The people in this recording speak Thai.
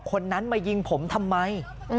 คนนั้นมายิงผมทำไม